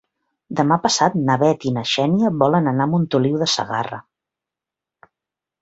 Demà passat na Bet i na Xènia volen anar a Montoliu de Segarra.